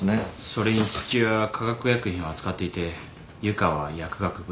それに父親は化学薬品を扱っていて湯川は薬学部。